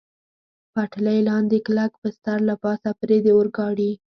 پټلۍ لاندې کلک بستر، له پاسه پرې د اورګاډي.